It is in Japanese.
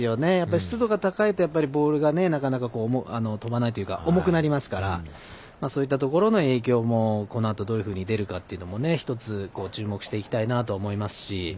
湿度が高いと、ボールがなかなか飛ばないというか重くなりますからそういったところの影響もこのあとどういうふうに出るかというのも一つ、注目していきたいなと思いますし。